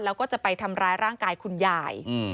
แล้วก็จะไปทำร้ายร่างกายคุณยาย